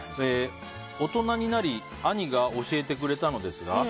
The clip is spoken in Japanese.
大人になり兄が教えてくれたのですが。